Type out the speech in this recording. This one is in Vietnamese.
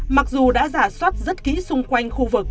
mặc dù đã giả soát rất kỹ xung quanh